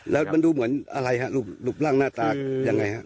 แล้วมันดูเหมือนอะไรฮะรูปร่างหน้าตายังไงฮะ